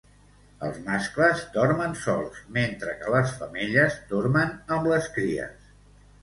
Els mascles dormen sols, mentre que les femelles dormen amb les cries.